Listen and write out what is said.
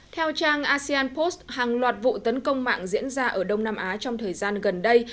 theo trang asean post hàng loạt vụ tấn công mạng diễn ra ở đông nam á trong thời gian gần đây